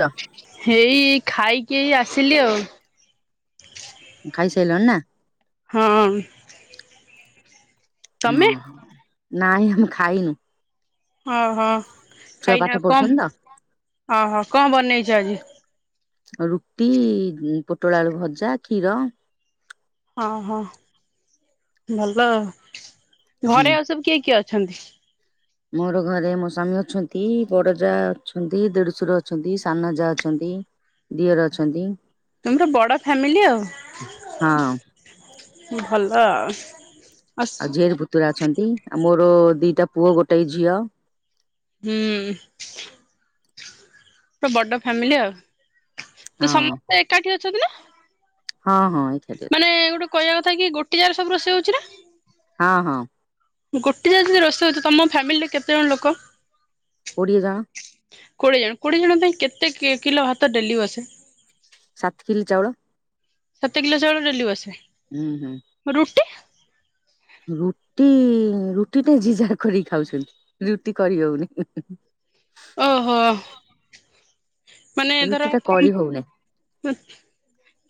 ତ ହେଇ ଖାଇକି ଏଇ ଆସିଲି ଆଉ। ତେଲ ନା? ହଁ। ତମେ? ଓହୋ ନାଇଁ ଆମେ ଖାଇନୁ। ଓହୋ ଛୁଆ ପାଠ ଖାଇନା ପଢୁଛନ୍ତି କଣ ତ ଓହୋ କଣ ବନେଇଛ ଆଜି? ରୁଟି ପୋଟଳ ଆଳୁ ଭଜା କ୍ଷୀର। ହଁ ହଁ ଭଲ ହୁଁ ଘରେ ଆଉ ସବୁ କିଏ କିଏ ଅ ଛନ୍ତି। ମୋର ଘରେ ମୋ ସ୍ୱାମୀ ଅଛନ୍ତି ବଡ ଯା ଅଛନ୍ତି ଦେଢଶର ଅଛନ୍ତି ସାନ ଯା ଅଛନ୍ତି। ଦିଅର ଅଛନ୍ତି। ତୁମର ବଡ ଫ୍ୟାମିଲି ହଁ ଆଉ। ଭଲ ଆଉ। ଆଉ ଝିଆରି ପୁତୁରା ଅଛନ୍ତି। ଆଉ ମୋର ଦିଟା ପୁଅ ଗୋଟାଏ ଝିଅ। ହୁଁ। ତ ବଡ ଫାମିଲି ଆଉ। ତ ହଁ ସମସ୍ତେ ଏକାଠି ଅଛନ୍ତି ନା? ହଁ ହଁ ଏକାଠି ଅଛୁ। ଥାଇକିି ଗୋଟେ ଜାଗାରେ ସବୁ ରୋଷେଇ ହଉଛି ନା? ହଁ ହଁ। ଗୋଟେ ଯଦି ରୋଷେଇ ହୋଉଛି। ତମ ଫ୍ୟାମିଲିରେ କେତେ ଜଣ ଲୋକ? କୋଡିଏ ଜଣ। କୋଡିଏ ଜଣ କୋଡିଏ ଜଣ ପାଇଁ କେ କେତେ କିଲୋ ଭାତ ଡେଲି ବସେ? ସାତ କିଲ ଚାଉଳ। ସାତ କିଲୋ ଚାଉଳ ଡେଲି ବସେ? ହୁଁ ହୁଁ ରୁଟି? ରୁଟି ରୁଟି ତ ଯେ ଯାହା କରିକି ଖାଉଛନ୍ତି ରୁଟି କରି ହଉନି। ଓହୋ। ମାନେ ଧର ରୁଟି ଟା କରି ତମ ହଉନି।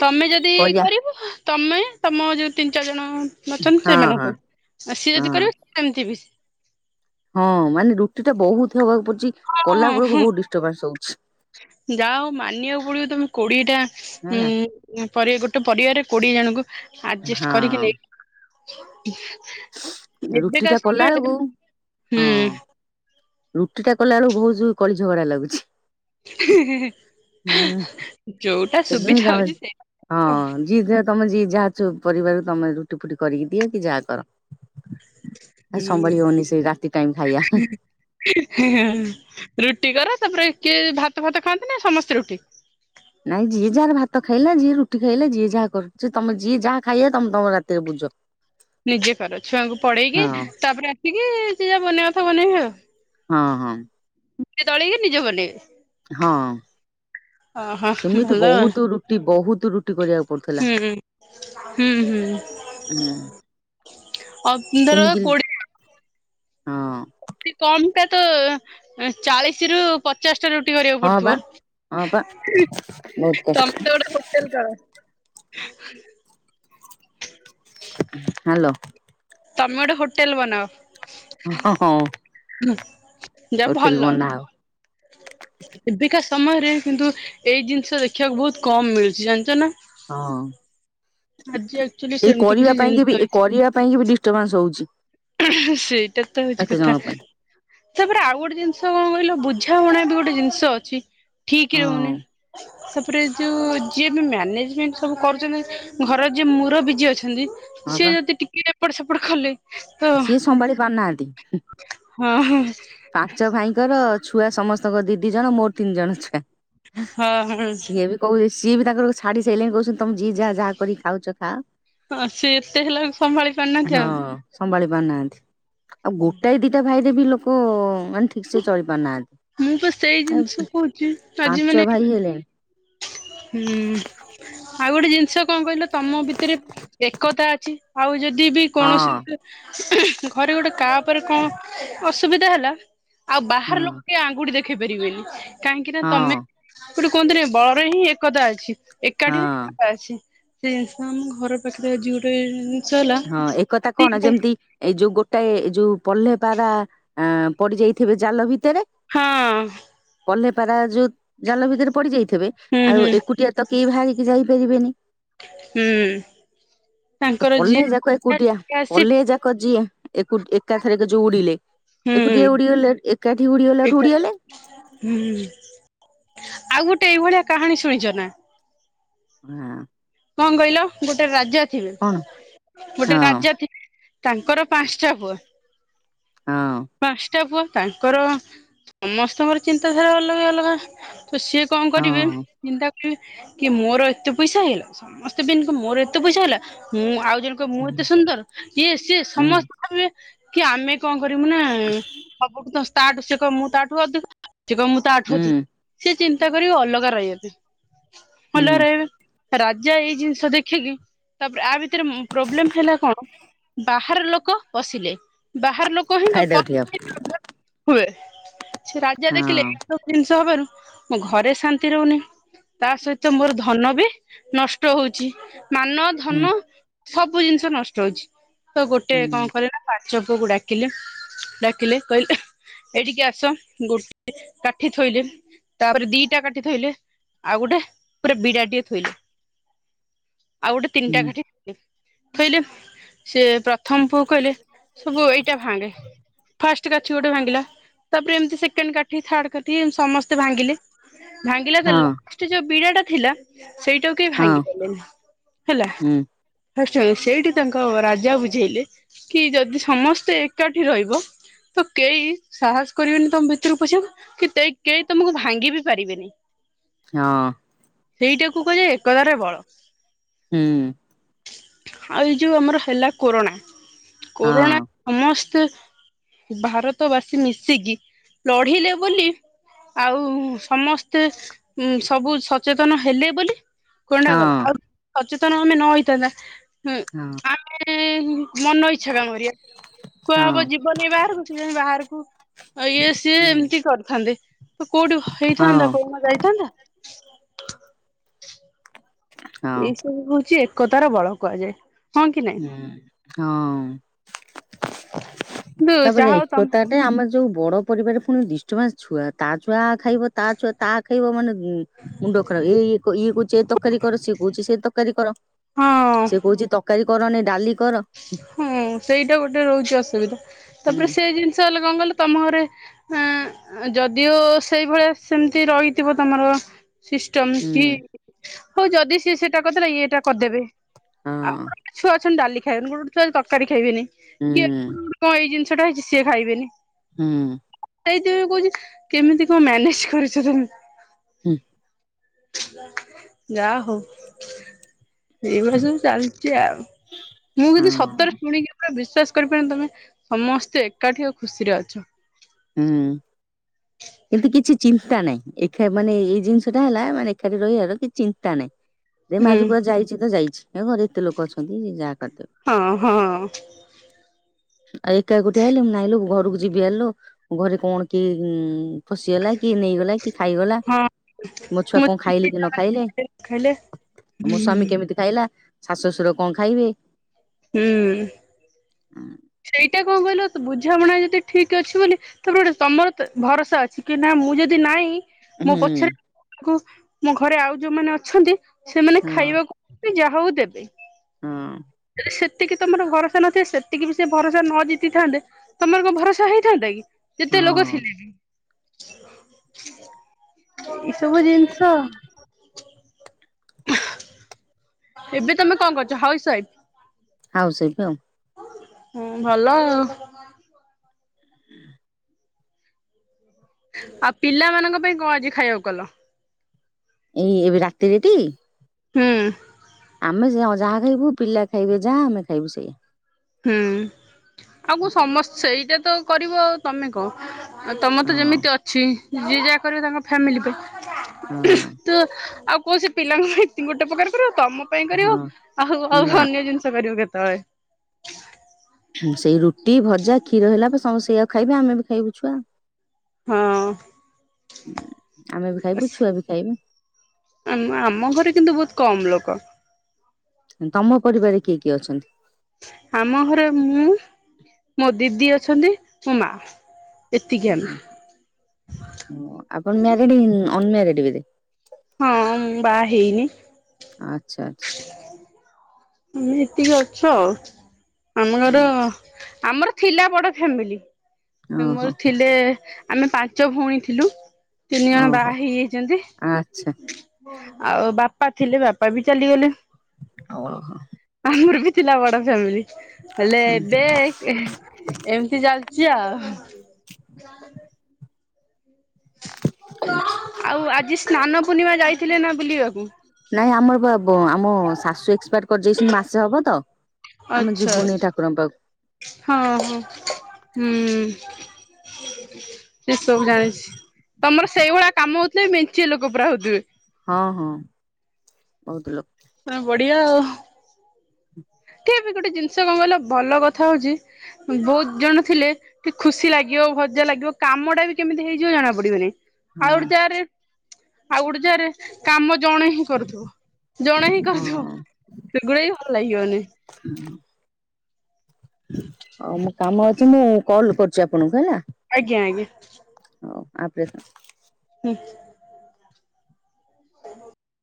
ତମେ ଯଦି କରି କରିବ ତମେ ତମ ଯୋଉ ତିନି ଚାରି ଜଣ ଅଛନ୍ତି ହଁ ହଁ ସେମାନଙ୍କୁ। ଆଉ ସିଏ ଯଦି ହଁ କରିବେ ସେମତି ବି ହଁ ମାନେ ରୁଟି ଟା ବହୁତ ହବାକୁ ପଡୁଛି କଲା ବେଳକୁ ବହୁତ ଡିଷ୍ଟର୍ବାନ୍ସ ହଉଛି। ଯା ହଉ ମାନିବାକୁ ପଡିବ ତମେ କୋଡିଏଟା ଉ ହେଲା ପରିଆ ଗୋଟେ ପରିବାରରେ କୋଡିଏ ଜଣଙ୍କୁ ଆଡଜଷ୍ଟ କରିକି ହଁ ନେଇକି ରୁଟି ଏବେକା ଟା କଲା ବେଳକୁ ସମୟରେ ହୁଁ ରୁଟିଟା କଲା ବେଳେକୁ ବହୁତ ଜୋ କଳି ଝଗଡା ଲାଗୁଛି। ହା ହା ହା। ହୁଁ ସେଥିପାଇଁ ତମେ ହଉଛି ସେଇ ହଁ ଯିଏ ଯାହା ତମେ ଯିଏ ଯା ଯୋଉ ପରିବାର ତମେ ରୁଟି ଫୁଟି କରିକି ଦିଅ କି ଯାହା କର। ହୁଁ ସମ୍ଭାଳି ହଉନି ସେ ରାତି ଟାଇମ ଖାଇବା। ରୁଟି କର। ତାପରେ କିଏ ଭାତ ଫାତ ଖାଆନ୍ତି ନା ସମସ୍ତେ ରୁଟି? ନାଇଁ ଯିଏ ଯାହାର ଭାତ ଖାଇଲା ଯିଏ ରୁଟି ଖାଇଲା ଯିଏ ଯାହା କରୁଛି ତମେ ଯିଏ ଯାହା ଖାଇବା ତମ ତମ ରାତିରେ ବୁଝ। ନିଜେ କର ଛୁଆଙ୍କୁ ପଢେଇକି ହଁ ତାପରେ ଆସିକି ଯେ ଯାହା ବନେଇବା କଥା ବନେଇବେ ଆଉ। ହଁ ହଁ। ନିଜେ ଦଳିକି ନିଜ ବନେଇବେ? ହଁ। ଓହୋ ସେମିତି ଭଲ ବହୁତ ରୁଟି ବହୁତ ରୁଟି କରିଆକୁ ପଡ଼ୁଥିଲା। ହୁଁ ହୁଁ ହୁଁ ଅପ୍ ଧର ତିନି କିଲ କୋଡିଏ ହଁ। ଅତି କମ ଟା ତ ଏଁ ଚାଳିଶ ରୁ ପଚାଶ ଟା ରୁଟି କରିବାକୁ ହଁ ବା ହଁ ବା ପଡୁଥୁବ। ବହୁତ କଷ୍ଟ ତମେ ତ ଗୋଟେ ହୋଟେଲ କର। ହାଲୋ। ତମେ ଗୋଟେ ହୋଟେଲ ବନାଅ। ହଁ ହଁ ହଁ। ହୁଁ ଯାହା ଭଲ ଏବିକା ସମୟରେ କିନ୍ତୁ, ଏଇ ଜିନିଷ ଦେଖିବାକୁ ବହୁତ କମ୍ ମିଳୁଚି ଜାଣିଚ ନା? ହଁ। ଆଜି ଆକ୍ଚୁଆଲି ଏଇ ସେମିତି କିଛି କରିବା ପାଇଁ ଜିନିଷ କି ବି ଏ ଅଛି କରିବା ପାଇଁ କି ବି ଡିଷ୍ଟର୍ର୍ବାନ୍ସ ହଉଚି। ସେଇଟା ତ ହଉଚି କଥା। ପାଇଁ ତା ପରେ ଆଉ ଗୋଟେ ଜିନିଷ କଣ କ କହିଲ, ବୁଝାମଣା ବି ଗୋଟେ ଜିନିଷ ଅଛି ଠିକ ରହୁନି। ହଁ। ତା ପରେ ଯୋଉ ଯିଏ ବି ମ୍ୟାନେଜମେଣ୍ଟ ସବୁ କରୁଚନ୍ତି। ଘରର ଯିଏ ମୁରବି ଯିଏ ଅଛନ୍ ଛନ୍ତି ହଁ ସିଏ ବା ଯଦି ଟିକେ ଏପଟ ସେପଟ କଲେ। ତ ସିଏ ସମ୍ଭାଳି ପାରୁନାହାଁନ୍ତି, ହୁଁ ହଁ ପାଞ୍ଚ ଭାଇଙ୍କର ଛୁଆ ସମସ୍ତଙ୍କ ର ଦି ଦି ଜଣ ମୋର ତିନି ଜଣ ଛୁଆ। ହଁ ହଁ ହଁ ସିଏ ବି କହୁ ସିଏ ବି ତାଙ୍କର ଛାଡି ସାଇଲେନି। କହୁଚନ୍ତି ତମେ ଯିଏ ଯା ଯା କରି ଖାଉଛ ଖା। ହଁ ସିଏ ଏତେ ହେଲାକୁ ସମ୍ଭାଳି ପାରୁନାହାନ୍ତି ଆଉ। ହଁ ସମ୍ଭାଳି ପାରୁନାହାଁନ୍ତି। ଆଉ ଗୋଟାଏ ଦିଟା ଭାଇରେ ବି ଲୋକ ମାନେ ଠିକ ସେ ଚଳି ପାରୁନାହାଁନ୍ତି। ମୁଁ ପା ସେଇ ଜିନିଷ କହୁଚି, ପାଞ୍ଚ ଆଜି ମାନେ ଭାଇ ହେଲେଣି ହୁଁ ଆଉ ଗୋଟେ ଜିନିଷ କଣ କହିଲ ତମ ଭିତରେ ଏକତା ଅଛି। ଆଉ ଯଦି ବି କୌଣସି ହଁ ଗୋଟେ ଘରେ ଗୋଟେ କା ଉପରେ କଣ ଅସୁବିଧା ହେଲା। ଆଉ ହଁ ବାହାର ଲୋକ କେଇ ଆଙ୍ଗୁଟି ଦେଖ ଖେଇ ପାରିବେନି କାହିଁକି ନା, ହଁ। ତମେ ଗୋଟେ କୁହନ୍ତି ନା ବଳରେ ହିଁ ଏକତା ଅଛି। ଏକାଠିରେ ହଁ ଏକତା ଅଛି। ସେ ଜିନିଷ ଆମ ଘର ପାଖରେ ଆଜି ଗୋଟେ ଉଁ ହଁ, ଏକଥା କଣ ଯେମିତି ଏଇ ଯୋଉ ଗୋଟାଏ ଯୋଉ ପଲ୍ହେ ପାରା ଆଁ ପଡି ଯାଇଥିବେ ଜାଲ ଭିତରେ। ହଁ। ପାଲ୍ହେ ପାରା ଯୋଉ ଜାଲ ଭିତରେ ପଡି ଯାଇଥିବେ। ହୁଁ ଆଉ ହୁଁ ଏକୁଟିଆ ତ କେଇ ଭାହାରିକି ଯାଇପାରିବେନି। ହୁଁ। ତ ତାଙ୍କର ପଲ୍ହେ ଯିଏ ଯାକ ଏକୁଟିଆ ଆସି ପଲ୍ହେ ଯାକ ଯିଏ ଏକୁ ଏକାଥରେକେ ଯୋଉ ଉଡିଲେ। ହୁଁ ଏକୁଟିଆ ଉଡିଗଲେ ଏକାଠି ଉଡିଗଲାଠୁ ଉଡ଼ିଗଲେ। ହୁଁ ଆଉ ଗୋଟେ ଏଇ ଭଳିଆ କାହାଣୀ ଶୁଣିଚ ନା? ହାଁ। କଣ କହିଲ ଗୋଟେ ରାଜା ଥିବେ। କଣ ହଁ ଗୋଟେ ରାଜା ଥିଲେ ତାଙ୍କର ପାଁଶାଟା ପୁଅ। ହଁ। ଟା ପୁଅ ତାଙ୍କର ସମସ୍ତଙ୍କର ଚିନ୍ତାଧାରା ଅଲଗା ଅଲଗା। ତ ସିଏ କଣ କରିବେ ହଁ ଚନ୍ତା କି ମୋର ଏତେ ପଇସା ହେଇଗଲା। ସମସ୍ତେ ବି ଇନକମ୍ ମୋର ଏତେ ପଇସା ହେଲା। ମୁଁ ଆଉ ଦି ଜଣ କହିବେ ମୁଁ ଏତେ ସୁନ୍ଦର, ଇଏ ସିଏ ହୁଁ ସମସ୍ତେ ଭାବିବେ କି ଆମେ କଣ କରିବ୍ ରେ ମୁଁ ନା ସବୁ ଠୁ ତାର ସେ କହିବ ମୁଁ ତାଠୁ ଅଧିକ ସେ କହିବ ମୁଁ ତା ଠୁ ଅଧିକ। ହୁଁ ସେ ଚିନ୍ତା କରିବେ ଅଲଗା ରହିବା ପାଇଁ ହୁଁ ଅଲଗା ରହିବେ। ରାଜା ଏଇ ଜିନିଷ ଦେଖିକି ତା ପରେ ଆ ଭିତରେ ଉଁ ପ୍ରୋବ୍ଲେମ ହେଲା କଣ? ବାହାର ଲୋକ ପସିଲେ ବାହାର ଲୋକ ହିଁ ଫାଇଦା ଉଠେଇବ ପ-ପସିଲେ [inaudible] ପ୍ରୋବେଲମ୍ ହୁଏ। ରାଜା ଦେଖିଲେ ହଁ ଏ ସବୁ ଜିନିଷ ହବାରୁ ମୋ ଘରେ ଶାନ୍ତି ରହୁନି, ତା ସହିତ ମୋର ଧନ ବି ନଷ୍ଟ ହଉଛି। ମାନ ହୁଁ ଧନ ସବୁ ଜିନିଷ ନଷ୍ଟ ହଉଛି, ତ ଗୋଟେ କଣ ହୁଁ କରିବନା ପାଚକକୁ ଡାକ ପିଲେ, ଡାକିଲେ କହିଲେ? ଏଇଠିକି ଆସ, ଗୋଟେ କାଠି ଥୋଇଲେ, ତାପରେ ଦିଟା କାଠି ଥୋଇଲେ ଆଉ ଗୋଟେ ପୁରା ବିଡ଼ା ଟିଏ ଥୋଇଲେ [inaudible] ଆଉ ଗୋଟେ ତିନିଟା ହୁଁ କାଠି ଥୋଇଲେ, ସେ ପ୍ରଥମ ପୁଅ କହିଲେ ସବୁ ଏଇ [unintelligible] ଫାଷ୍ଟ କାଠି ଗୋଟେ ଭାଙ୍ଗିଲା, ତାପରେ ଏମିତି ସେକେଣ୍ଡ କାଠି, ଥାର୍ଡ କାଠି ସମସ୍ତେ ଭାଙ୍ଗିଲେ। ଭାଙ୍ଗିଲା ତ ହଁ ଲାଷ୍ଟ ଯୋଉ ବିଡା ଟା ଥିଲା। ସେଇଟାକୁ କେହି ହଁ ଭାଙ୍ଗି ପାଇଲେନି ହେଲା ହୁଁ ଷ୍ଟ ସେଇଠି ତାଙ୍କ ରାଜା ବୁଝେଇଲେ କି -ଯଦି ସମସ୍ତେ ଏକାଠି ରହିବ। ତ କେହି ସାହସ କରିବେନି ତମ ଭିତରୁକୁ ପସିଵାକୁ, କି କେହି ତମକୁ ଭାଙ୍ଗି ବି ପାରିବେନି। ହଁ। ସେଇଟାକୁ କୁହାଯାଏ ଏକଦାର ବଳ। ହୁଁ। ଆଉ ଏଇ ଯୋଉ ଆମର ହେଲା କୋରୋନା, କୋରୋନା ସମସ୍ତେ ଭାରତ ବାସୀ ମିଶିକି ଲଢିଲେ ବୋଲି ଆଉ ସମସ୍ତେ ସବୁ ସଚେତନ ହେଲେ ବୋଲି କଣ ଟା ଗଲା, ଆଉ ସଚେତନ ଆମେ ନ ହେଇଥାନ୍ତା ହଁ ହିଁ ମନ ଇଚ୍ଛା କାମ କରିବା, କୁହା ହବ ଜୀବନ ବାହାରକୁ, ବାହାରକୁ ଆ ଇଏ ସିଏ ଏମିତି କରିଥାନ୍ତେ ତ କୋଉଠି ହେଇଥାନ୍ତା କୋଉନା ଯାଇଥାନ୍ତା। ହ [unintelligible] ଏଇ ସବୁ ହଉଛି ଏକତାର ବଳ କୁହାଯାଏ। ହଁ କି ନାଇଁ ହଁ ହଁ। କିନ୍ତୁ ତାପରେ ଯାହା ହଉ ତମ ଏକତା ଟା ଆମର ଯୋଉ ବଡ ପରିବାରରେ ପୁଣି ଡିଷ୍ଟର୍ବାନ୍ସ ଛୁଆ, ତା ଛୁଆ ଆ ଖାଇବ, ତା ଛୁଆ ତା ଖାଇବ ମାନେ ହୁଁ, ମୁଣ୍ଡ ଖରାପ, ଏଇ ଇଏ କହୁଛି ଏ ତରକାରୀ କର, ସିଏ କହୁଛି ସେ ତରକାରୀ କର। ହଁ ସେ କହୁଛି ତରକାରୀ କରନି, ଡାଲି କର ହଁ, ସେଇଟା ଗୋଟେ ରହୁଛି ଅସୁବିଧା, ହୁଁ ତାପରେ ସେ ଜିନିଷ ଅଲଗା। [unintelligible] ଙ୍ଗଲ ତମ ଘରେ ଯଦିଓ ସେଇଭଳିଆ ସେମିତି ରହିଥିବ, ତମର--ଅ ସିଷ୍ଟମ କି ହୁଁ ହ ଉ ଯଦି ସିଏ ସେଟା କରିଦେଲେ ଇଏ ଏଇଟା କରିଦେବେ। ହଁ ଆଉ ଗୋଟେ ଛୁଆ ଅଛନ୍ତି ଡାଲି ଖାଇବେନି, ଗୋଟେ ଛୁଆ ତରକାରୀ ଖାଇବେନି। ହୁଁ। ସେଇଟା ହେଇଛିି ସିଏ ଖାଇବେନି। ହୁଁ। ସେଇଥି ପାଇଁ କହୁଛି -କେମିତି କଣ ମ୍ୟାନେଜ କରିଛ ତମେ? ହୁଁ। ଯା ହଉ। ଏଇଭଳି ସବୁ ଚାଲିଛି ଆଉ, ମୁଁ କିନ୍ତୁ ହଁ ସତରେ ଶୁଣିକି ପୁରା ବିଶ୍ୱାସ କରିପାରୁନି ତମେ ସମସ୍ତେ ଏକାଠି, ଆଉ ଖୁସିରେ ଅଛ ହୁଁ କିନ୍ତୁ କିଛି ଚିନ୍ତା ଚିନ୍ତା ନାଇଁ, ଏଇ ମାନେ ଏଇ ଜିନିଷ ଟା ହେଲା ମାନେ ଏକାଠି ରହିବାର କିଛି ଚିନ୍ତା ନାହିଁ। ଏ ମୁ ହୁଁ ଆଜି କୁଆଡେ ଯାଇଛି ତ ଯାଇଛି, ଏ ଘରେ ଏତେ ଲୋକ ଅଛନ୍ତି ଯା ହଁ ହଁ। ଆଉ ଏକା ଗୋଟିଏ ହେଲେ, ମୁ ନହିଁଲ ଘରକୁ ଯିବି ଆଣିଲୁ ଘରେ କଣ କି ଉ [unintelligible] ଫସିଗଲା, କି ନେଇଗଲା, କି ଖାଇଗଲା। ହଁ ମୋ ଛୁଆ କଣ ମତେ ଖାଇଲେ କି ନ ଖାଇଲେ, ଖାଇଲେ ମୋ ସ୍ଵାମୀ କେମିତି ଖାଇଲା? ଶାଶୁ ଶଶୁର କଣ ଖାଇବେ? ହୁଁ। ସେଇଟା କଣ କହିଲ ବୁଝାମଣା ଯଦି ଠିକ୍ ଅଛି ବୋଲି ତାପରେ ଗୋଟେ ତମର ତ ଭରସା ଅଛି। କି ନା ମୁଁ ଯଦି ନାଇଁ ମୋ ହୁଁ ପଛରେ ମୋ ଘରେ ଆଉ ଯୋଉମାନେ ଅଛନ୍ତି। ସେମାନେ ହଁ ଖାଇବାକୁ ଯାହା ହଉ ଦେବେ। ହଁ ଯଦି ସେତିକି ତମର ଭରସା ନଥାଏ। ସେତିକି ବି ସେ ଭରସା ନ ଜିତିଥାନ୍ତେ ତମର କଣ ଭରସା ହେଇଥାନ୍ତା କି। ଯେତେ ଲୋକ ହଁ ଥିଲେ ବି। ଏଇସବୁ ଜିନିଷ। ଏବେ ତମେ କଣ କରୁଛ? House wife. ହାଉସ୍ ୱାଇପ୍ ଆଉ। ହୁଁ ଭଲ। ଆଉ ପିଲାମାନଙ୍କ ପାଇଁ କଣ ଆଜି ଖାଇବାକୁ କଲ? ଏଇ ଏବେ ରାତିରେଟି। ହୁଁ। ଆମେ ଯା ଯାହା ଖାଇବୁ ପିଲା ଖାଇବେ ଯାହା ଆମେ ଖାଇବୁ ସେଇଆ। ହୁଁ ଆଉ କ ସମସ୍ତ ସେଇଟା ତ କରିବ ଆଉ ତମେ କଣ। ଆଉ ତମେ ତ ହଁ ଯେମିତି ଅଛି। ଯିଏ ଯାହା କରିବେ ତାଙ୍କ ଫ୍ୟାମିଲି ପାଇଁ। ହଁ ତୁ ଆଉ କୋଉ ସେ ପିଲାଙ୍କ ପାଇଁ ଏ ଗୋଟେ ପ୍ରକାର କରିବୁ। ତମ ପାଇଁ କରିବୁ। ହଁ ଆଉ ଆଉ ନା ଅନ୍ୟ ଜିନିଷ କରିବୁ କେତେବେଳେ? ସେଇ ରୁଟି ଭଜା କ୍ଷୀର ହେଲା ସମ ସେଇଆ ଖାଇବେ। ଆମେ ବି ଖାଇବୁ ଛୁଆ। ହଁ ଆମେ ବି ଖାଇବୁ ଛୁଆ ବି ଖାଇବୁ। ଆମ ଆମ ଘରେ କିନ୍ତୁ ବହୁତ କମ ଲୋକ। ତମ ପରିବାରରେ କିଏ କିଏ ଅଛନ୍ତି? ଆମ ଘରେ ମୁଁ ମୋ ଦିଦି ଅଛନ୍ତି ମୋ ମା। ଏତିକି ଆମେ ଓହୋ ଆପଣ ମ୍ୟାରିଡି ଅନ୍ ମ୍ୟାରିଡି ବୋଧେ। ହଁ ମୁଁ ବାହା ହେଇନି। ଆଚ୍ଛା ଆଚ୍ଛା। ଆମେ ଏତିକି ଅଛ। ଆମ ଘର ଆଚ୍ଛା ଆମର ଥିଲା ବଡ ଫାମିଲି। ଓହୋ ମୋର ଥିଲେ ଆମେ ପାଞ୍ଚ ଭଉଣୀ ଥିଲୁ। ତିନି ଜଣ ଓହୋ ବାହା ହେଇଯାଇଛନ୍ତି। ଆଚ୍ଛା ଆଉ ବାପା ଥିଲେ ବାପା ବି ଚାଲିଗଲେ। ଓହୋ ଆମର ବି ଥିଲା ବଡ ଫ୍ୟାମିଲି। ହେଲେ ଏବେ ଏ ଏମିତି ଚାଲିଛି ଆଉ। [unintelligible] ଆଚ୍ଛା। ଆଉ ଆଜି ସ୍ନାନ ପୂର୍ଣିମା ଯାଇଥିଲେ ନା ବୁଲିବାକୁ। ନାଇଁ ଆମର ପା ବ ଆମ ଶାଶୁ ଏକ୍ସପାୟାର କରିଦେଇଛନ୍ତି ମାସେ ହବ ତ। ଆମେ ଆଚ୍ଛା ଯିବୁନି ଠାକୁରଙ୍କ ପାଖକୁ। ଆଚ୍ଛା। ହଁ ହଁ। ହୁଁ ସେ ସବୁ ଜାଣିଛି। ତମର ସେଇଭଳିଆ କାମ ହଉଥିଲେ। ମେଞ୍ଚେ ଲୋକ ପୁରା ହଉଥିବେ। ହଁ ହଁ। ବହୁତ ଲୋ କି ବି ଗୋଟେ ଜିନିଷ କଣ କହିଲ ଭଲ କଥା ହଉଛି। ବହୁତ ଜଣ ଥିଲେ। କି ଖୁସି ଲାଗିବ ଭଜା ଲାଗିବ। କାମ ଟା ବି କେମିତି ହେଇଯିବ ଜଣା ପଡିବନି। ହଁ ଆଉ ଗୋଟେ ଯାରେ ଆଉ ଗୋଟେ ଯାରେ କାମ ଜଣେ ହିଁ କରୁଥିବ। ଜଣେ ହିଁ କରୁଥିବ। ହଁ। ସେଗୁଡା ବି ଭଲ ଲାଗିବନି। [inaudible] ହ ମୋ କାମ ଅଛି। ମୁଁ କଲ କରୁଛି ଆପଣଙ୍କୁ ହେଲା। ଆଜ୍ଞା ଆଜ୍ଞା। ହଉ ଆପରେ ଥାଅ। ହୋଉ। ଓ ହୋ।